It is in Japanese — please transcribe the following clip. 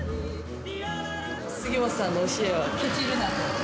杉本さんの教えはけちるなと。